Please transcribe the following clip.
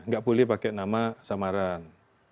nggak boleh pakai nama samaran